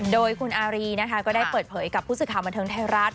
โดยคุณอารีนะคะก็ได้เปิดเผยกับผู้สื่อข่าวบันเทิงไทยรัฐ